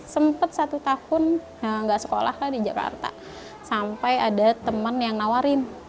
sempat satu tahun nggak sekolah di jakarta sampai ada teman yang nawarin